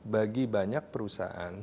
bagi banyak perusahaan